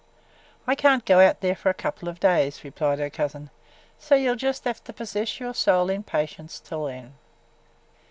"I can't go for a couple of days," replied her cousin. "So you 'll just have to possess your soul in patience till then!"